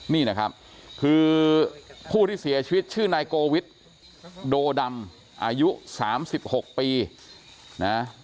นี่นะครับคือผู้ที่เสียชีวิตชื่อนายโกวิทโดดำอายุ๓๖ปีนะ